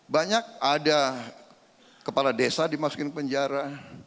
banyak ada kepala desa dimasukin ke penjara